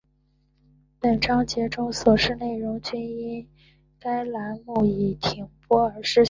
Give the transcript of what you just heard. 本章节中所示内容均因该栏目已停播而失效